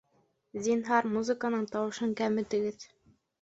Зинһар, музыканың тауышын кәметегеҙ